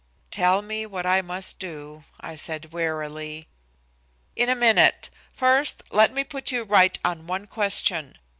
"Tell me what I must do," I said wearily. "In a minute. First let me put you right on one question.